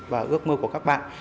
và ước mơ của các bạn